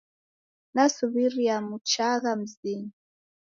Nasuw'iria muchagha mzinyi.